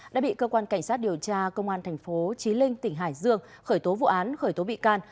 đã bị cơ quan cảnh sát điều tra công an thành phố trí linh tỉnh hải dương khởi tố vụ án khởi tố bị can